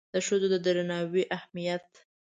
د ښځو د درناوي اهمیت